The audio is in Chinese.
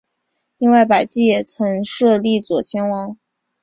另外百济也曾设立左贤王。